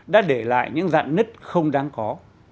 đã để lại những dạng nứt không đáng có